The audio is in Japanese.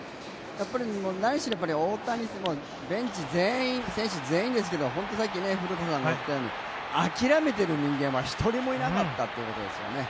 大谷選手だけじゃなくベンチ全員ですがさっき古田さんが言ったように諦めている人間は１人もいなかったということですよね。